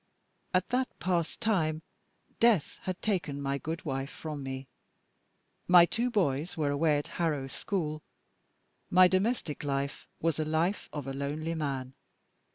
At that past time, death had taken my good wife from me; my two boys were away at Harrow School; my domestic life was the life of a lonely man.